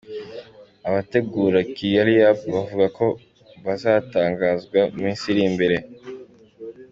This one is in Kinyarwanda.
Abategura KigaliUp! bavuga ko bazatangazwa mu minsi iri imbere.